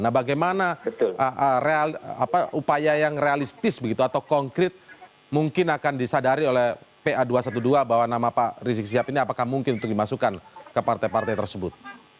nah bagaimana upaya yang realistis begitu atau konkret mungkin akan disadari oleh pa dua ratus dua belas bahwa nama pak rizik siap ini apakah mungkin untuk dimasukkan ke partai partai tersebut